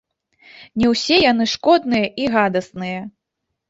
Не ўсе яны шкодныя і гадасныя.